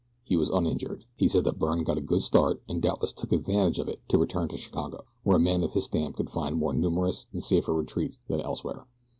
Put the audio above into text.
He was uninjured. He says that Byrne got a good start, and doubtless took advantage of it to return to Chicago, where a man of his stamp could find more numerous and safer retreats than elsewhere.